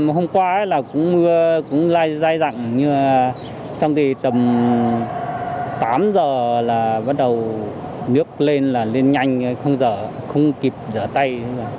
hôm qua cũng dài dặn xong thì tầm tám giờ là bắt đầu nước lên là lên nhanh không kịp giỡn tay